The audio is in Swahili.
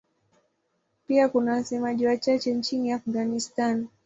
Pia kuna wasemaji wachache nchini Afghanistan.